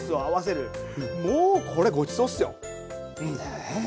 もうこれごちそうっすよ。ね。